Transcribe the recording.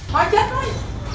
hóa chất thôi